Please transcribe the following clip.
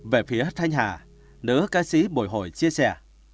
về phía thanh hà nữ ca sĩ bùi hồi chia sẻ